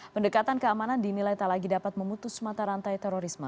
pendekatan keamanan dinilai tak lagi dapat memutus mata rantai terorisme